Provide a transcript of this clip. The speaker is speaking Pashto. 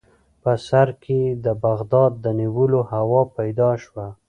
په سر کې یې د بغداد د نیولو هوا پیدا شوه.